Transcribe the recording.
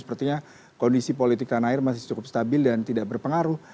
sepertinya kondisi politik tanah air masih cukup stabil dan tidak berpengaruh